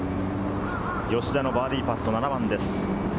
吉田のバーディーパット、７番です。